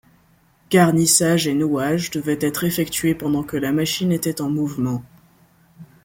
Garnissage et nouage devaient être effectués pendant que la machine était en mouvement.